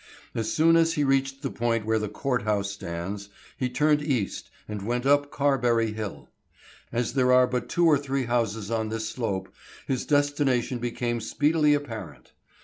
As soon as he reached the point where the court house stands, he turned east and went up Carberry hill. As there are but two or three houses on this slope, his destination became speedily apparent.